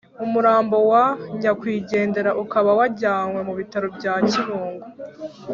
umurambo wa nyakwigendera ukaba wajyanwe mu bitaro bya kibungo